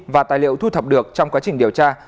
và tài liệu thu thập được trong quá trình điều tra